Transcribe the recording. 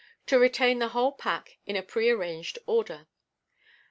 (To retain the whole pack in a pre arranged order.)